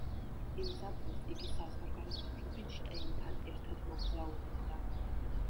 იმ ზაფხულს იგი საზღვარგარეთ რუბინშტეინთან ერთად მოგზაურობდა.